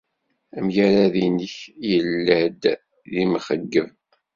Amagrad-nnek yella-d d imxeyyeb.